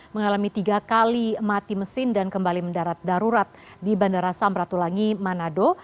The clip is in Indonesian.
mengalami tiga kali mati mesin dan kembali mendarat darurat di bandara samratulangi manado